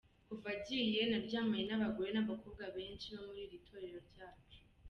Kuva agiye naryamanye n’abagore n’abakobwa benshi bo muri iri torero ryacu.